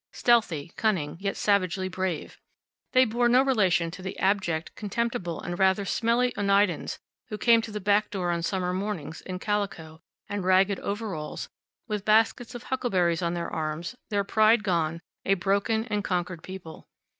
Stealthy, cunning, yet savagely brave. They bore no relation to the abject, contemptible, and rather smelly Oneidas who came to the back door on summer mornings, in calico, and ragged overalls, with baskets of huckleberries on their arm, their pride gone, a broken and conquered people.